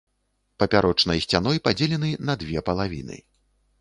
Папярочнай сцяной падзелены на две палавіны.